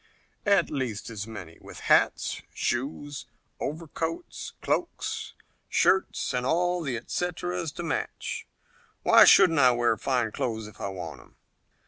"At least as many, with hats, shoes, overcoats, cloaks, shirts and all the et ceteras to match. Why shouldn't I wear fine clothes if I want 'em?